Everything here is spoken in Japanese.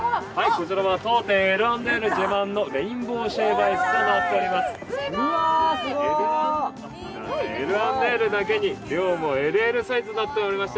こちらは当店Ｌ＆Ｌ自慢のレインボーシェイブドアイスとなっております。